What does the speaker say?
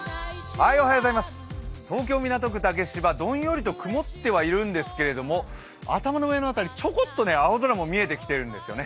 東京・港区竹芝、どんよりと曇ってはいるんですけど頭の上の辺り、ちょこっと青空も見えてきてるんですよね。